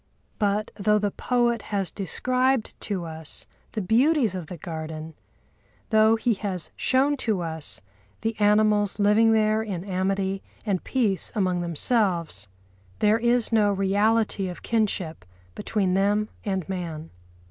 But though the poet has described to us the beauties of the garden, though he has shown to us the animals living there in amity and peace among themselves, there is no reality of kinship between them and man.